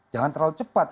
jangan terlalu cepat